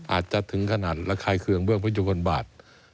อาจจะถึงขนาดระคายเคืองเบื้องพระยุคลบาท